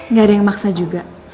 nggak ada yang maksa juga